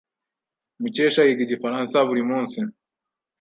Mukesha yiga igifaransa buri munsi?